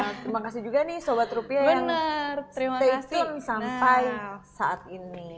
terima kasih juga nih sahabat rupiah yang sampai saat ini